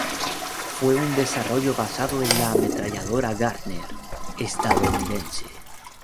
Fue un desarrollo basado en la ametralladora Gardner estadounidense.